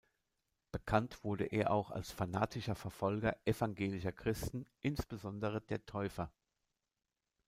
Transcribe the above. Bekannt wurde er auch als fanatischer Verfolger evangelischer Christen, insbesondere der Täufer.